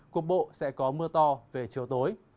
cục bộ sẽ có mưa to về chiều tối